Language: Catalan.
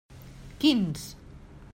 Quins?